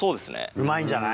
うまいんじゃない？